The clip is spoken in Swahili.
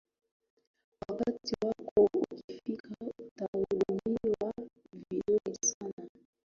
wakati wako ukifika utahudumiwa vizuri sana